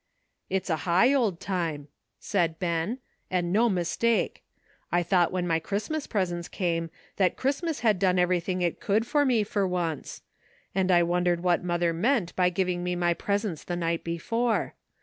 " It is a high old time," said Ben, " and no mistake. I thought when my Christmas pres ents came that Christmas had done everything it could for me, for once ; and I wondered what mother meant by giving me my presents the night before.